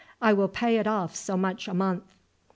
I will pay it off so much a month."